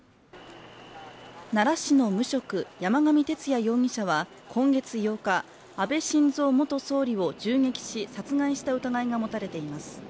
奈良市の無職山上徹也容疑者は今月８日、安倍晋三元総理を銃撃し殺害した疑いが持たれています。